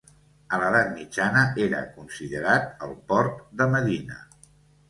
A l'edat mitjana era considerat el port de Medina.